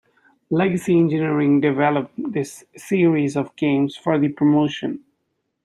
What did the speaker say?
Legacy Engineering developed this series of games for the promotion.